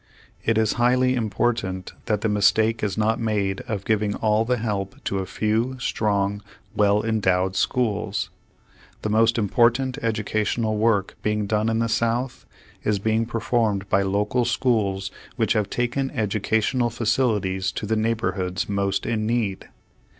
It is highly important that the mistake is not made of giving all the help to a few strong, well endowed schools. The most im portant educational work being done in the South, is being performed by local schools which have taken educational facilities to the neighborhoods most in need.